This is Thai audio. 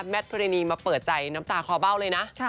ทุรินีมาเปิดใจน้ำตาคอเบ้าเลยนะ